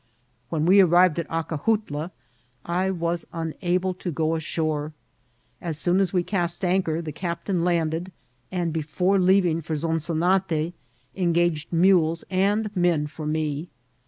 When we arrived at Acajutla I was unable to go ashore. As soon as we cast anchor the captain land ed, and before leaving for Zonzonate engaged mules and men for me.